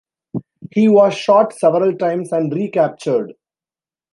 He was shot several times and recaptured.